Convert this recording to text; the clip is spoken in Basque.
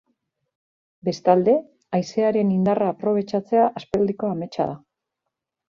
Bestalde, haizearen indarra aprobetxatzea aspaldiko ametsa da.